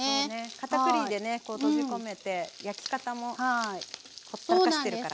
かたくりでねこうとじ込めて焼き方もほったらかしてるから。